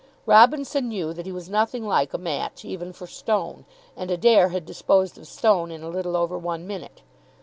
Robinson knew that he was nothing like a match even for Stone, and Adair had disposed of Stone in a little over one minute.